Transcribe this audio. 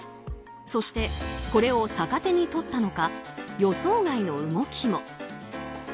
そしてこれを逆手に取ったのか予想外の動きも。